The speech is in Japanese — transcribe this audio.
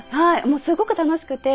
もうすごく楽しくて。